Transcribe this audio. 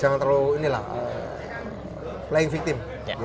jangan terlalu playing victim